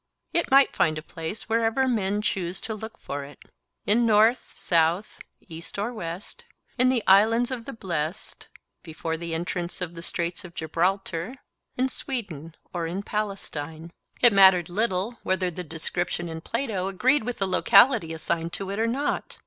It might find a place wherever men chose to look for it; in North, South, East, or West; in the Islands of the Blest; before the entrance of the Straits of Gibraltar, in Sweden or in Palestine. It mattered little whether the description in Plato agreed with the locality assigned to it or not.